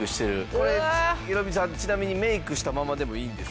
これヒロミさんちなみにメイクしたままでもいいんですか？